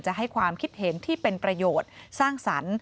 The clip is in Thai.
ให้ความคิดเห็นที่เป็นประโยชน์สร้างสรรค์